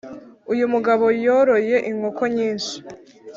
Uyumugabo yoroye inkoko nyinshi